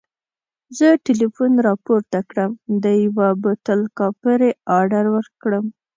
زه ټلیفون راپورته کړم د یوه بوتل کاپري اډر ورکړم.